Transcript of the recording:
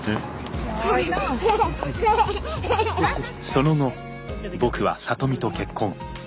その後僕は里美と結婚。